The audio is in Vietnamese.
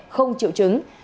không triệu chứng